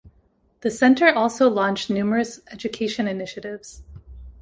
The centre also launched numerous education initiatives.